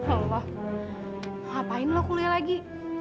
alah mau ngapain lo kuliah lagi